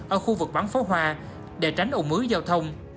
ở khu vực bắn phó hoa để tránh ủng mứ giao thông